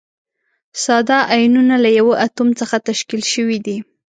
ساده ایونونه له یوه اتوم څخه تشکیل شوي دي.